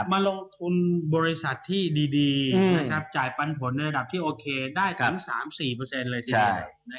มาลงทุนบริษัทที่ดีจ่ายปันผลในระดับที่โอเคได้ถึง๓๔เลยทีเดียว